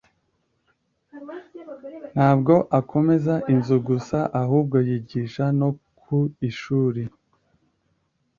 Ntabwo akomeza inzu gusa, ahubwo yigisha no ku ishuri.